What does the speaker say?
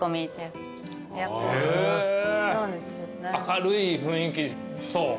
明るい雰囲気そう。